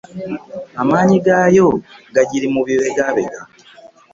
Amaanyi gaayo gagiri mu bibegabega.